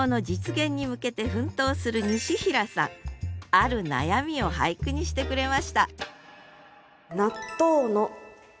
ある悩みを俳句にしてくれました